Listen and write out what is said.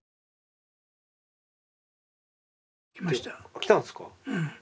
来たんですか。